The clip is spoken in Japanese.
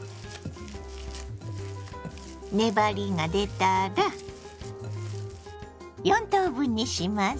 粘りが出たら４等分にします。